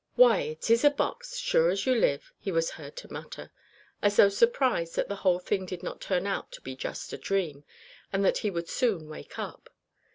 "Why, it is a box, sure as you live," he was heard to mutter, as though surprised that the whole thing did not turn out to be just a dream; and that he would soon wake up.